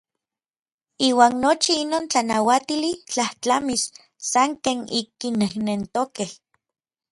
Iuan nochi inon tlanauatili tlajtlamis san ken ik kinejnektokej.